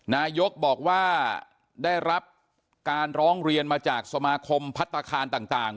นายกบอกว่าได้รับการร้องเรียนมาจากสมาคมพัฒนาคารต่าง